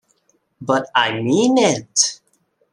But I mean it.